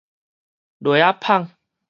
螺仔麭